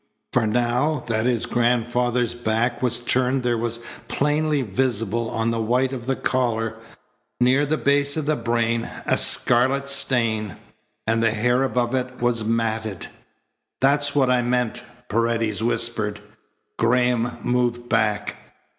For now that his grandfather's back was turned there was plainly visible on the white of the collar, near the base of the brain, a scarlet stain. And the hair above it was matted. "That's what I meant," Paredes whispered. Graham moved back.